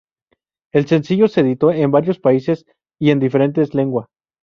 El sencillo se editó en varios países y en diferentes lengua.